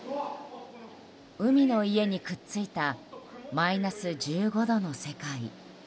海の家にくっついたマイナス１５度の世界。